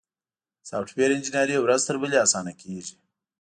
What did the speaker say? سافټویر انجینري ورځ تر بلې اسانه کیږي.